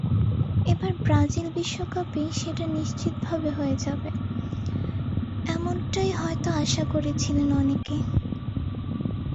এবার ব্রাজিল বিশ্বকাপেই সেটা নিশ্চিতভাবে হয়ে যাবে, এমনটাই হয়তো আশা করেছিলেন অনেকে।